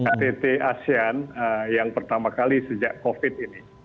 ktt asean yang pertama kali sejak covid ini